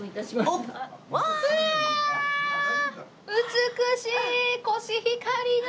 美しいコシヒカリだ！